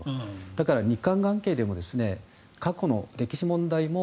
だから、日韓関係でも過去の歴史問題も